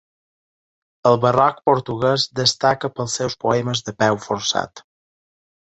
El barroc portuguès destaca pels seus poemes de peu forçat.